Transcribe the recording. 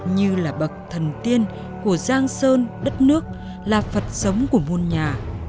như là bậc thần tiên của giang sơn đất nước là phật sống của muôn nhà